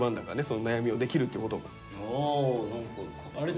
その悩みをできるってこと。